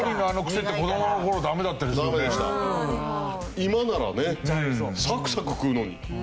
今ならねサクサク食うのに。